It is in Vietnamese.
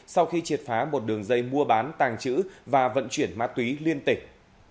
sau khi triệt phá một đường dây mua bán tàng trữ và vận chuyển ma túy liên tỉnh